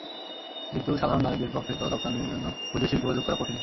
কিন্তু সাধারণ নারীদের পক্ষে তো রপ্তানির জন্য বৈদেশিক যোগাযোগ করা কঠিন।